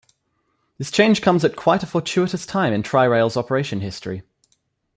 This change comes at quite a fortuitous time in Tri-Rail's operation history.